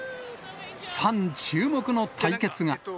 ファン注目の対決が。